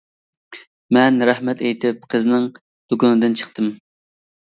مەن رەھمەت ئېيتىپ قىزنىڭ دۇكىنىدىن چىقتىم.